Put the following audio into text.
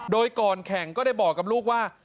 โดยก่อนแข่งก็ได้บอกกับลูกว่า